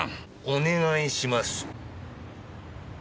お願いします。